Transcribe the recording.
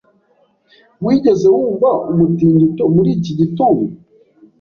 Wigeze wumva umutingito muri iki gitondo?